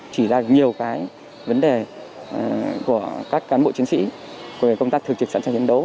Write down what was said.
chỉ ra nhiều cái vấn đề của các cán bộ chiến sĩ về công tác thường trực sẵn sàng chiến đấu